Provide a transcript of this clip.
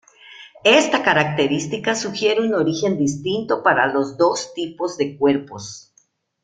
Esta característica sugiere un origen distinto para los dos tipos de cuerpos.